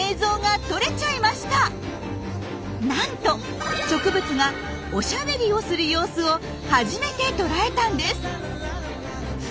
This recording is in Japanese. なんと植物が「おしゃべり」をする様子を初めて捉えたんです！